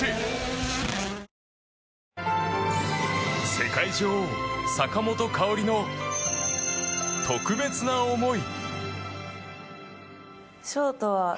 世界女王・坂本花織の特別な思い。